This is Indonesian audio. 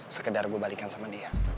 sekedar gue balikan sama dia